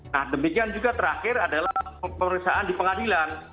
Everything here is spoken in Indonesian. nah demikian juga terakhir adalah pemeriksaan di pengadilan